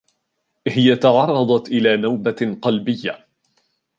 هي تعرضت إلي نوبة قلبية.